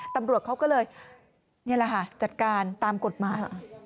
ตำรวจเขาก็เลยนี่แหละค่ะจัดการตามกฎหมาย